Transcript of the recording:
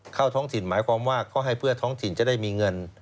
ท้องถิ่นหมายความว่าเขาให้เพื่อท้องถิ่นจะได้มีเงิน